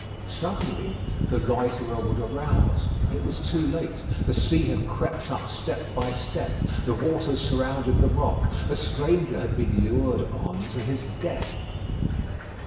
Suddenly the loiterer would arouse; but it was too late. The sea had crept up step by step; the waters surrounded the rock; the stranger had been lured on to his death.